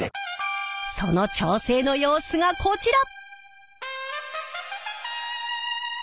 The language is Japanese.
その調整の様子がこちら！